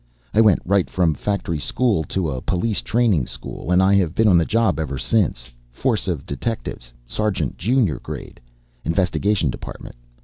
I went right from factory school to a police training school and I have been on the job ever since Force of Detectives, Sergeant Jr. grade, Investigation Department.